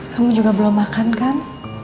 kamu juga belum makan kan